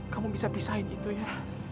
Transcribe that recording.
kamu bisa pisahin itu ya